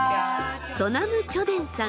ソナム・チョデンさん。